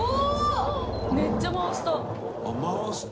めっちゃ回した。